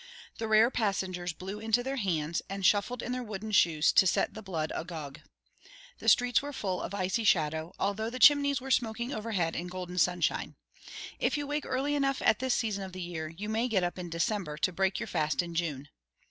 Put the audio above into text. The rare passengers blew into their hands, and shuffled in their wooden shoes to set the blood agog. The streets were full of icy shadow, although the chimneys were smoking overhead in golden sunshine. If you wake early enough at this season of the year, you may get up in December to break your fast in June.